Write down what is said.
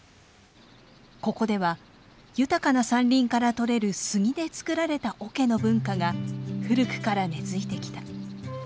ここでは豊かな山林からとれる杉でつくられた桶の文化が古くから根づいてきた。